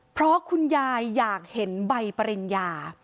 เพราะคุณยายอยากเห็นใบปริญญา